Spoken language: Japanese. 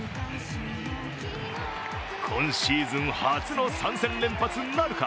今シーズン初の３戦連発なるか。